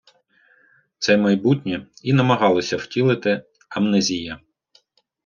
Це майбутнє і намагалися втілити «АмнезіЯ».